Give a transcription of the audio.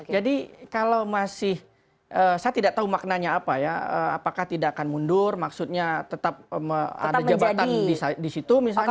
jadi kalau masih saya tidak tahu maknanya apa ya apakah tidak akan mundur maksudnya tetap ada jabatan di situ misalnya